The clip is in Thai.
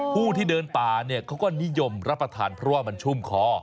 ผู้ที่เดินป่าเนี่ยเขาก็นิยมรับประทานเพราะว่ามันชุ่มคอ